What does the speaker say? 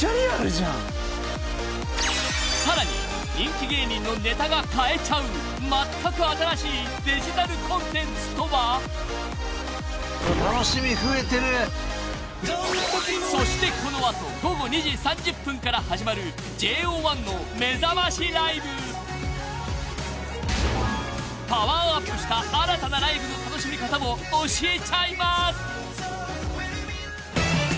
［さらに人気芸人のネタが買えちゃうまったく新しいデジタルコンテンツとは？］［そしてこの後午後２時３０分から始まるＪＯ１のめざましライブ］［パワーアップした新たなライブの楽しみ方も教えちゃいます！］